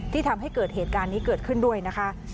ทำให้เกิดเหตุการณ์นี้เกิดขึ้นด้วยนะคะ